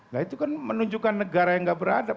nah itu kan menunjukkan negara yang gak beradab